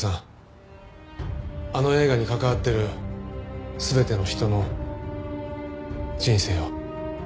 あの映画に関わってる全ての人の人生を。